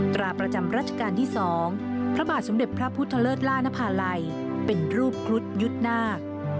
ตราประจำรัชกาลที่๒พระบาทสมเด็จพระพุทธเลิศล่านภาลัยเป็นรูปครุฑยุทธ์นาค